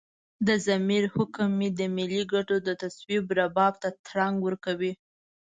د ضمیر حکم مې د ملي ګټو د توصيف رباب ته ترنګ ورکوي.